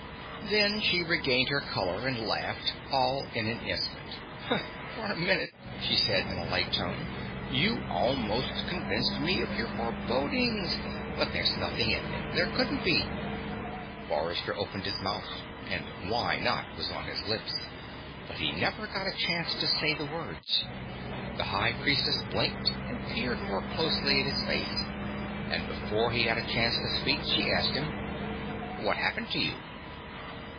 Then she regained her color and laughed, all in an instant. "For a minute," she said in a light tone, "you almost convinced me of your forebodings. But there's nothing in them. There couldn't be." Forrester opened his mouth, and Why not? was on his lips. But he never got a chance to say the words. The High Priestess blinked and peered more closely at his face, and before he had a chance to speak she asked him: "What happened to you?"